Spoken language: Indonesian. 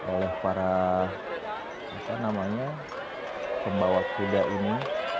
oleh para apa namanya pembawa kuda ini